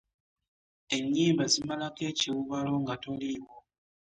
Enyimba zimalako ekiwubaalo nga toliiwo.